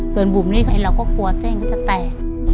เกินบุ่มนี้เราก็กลัวแจ้งก็จะแตก